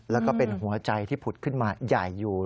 แล้วก็เป็นหัวใจที่ผุดขึ้นมาใหญ่อยู่